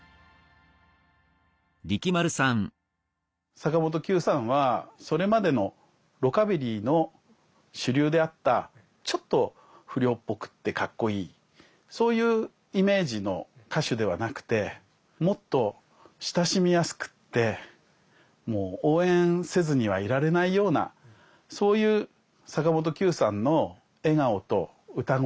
坂本九さんはそれまでのロカビリーの主流であったちょっと不良っぽくってかっこいいそういうイメージの歌手ではなくてもっと親しみやすくってもう応援せずにはいられないようなそういう坂本九さんの笑顔と歌声